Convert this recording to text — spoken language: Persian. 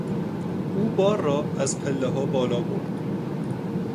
او بار را از پلهها بالا برد.